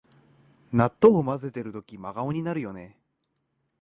納豆をまぜてるとき真顔になるよね